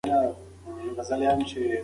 ماشومان ته د تعلیم لپاره مواد برابرول مهم دي.